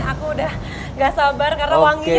aku sudah tidak sabar karena wanginya